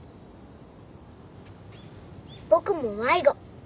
僕も迷子。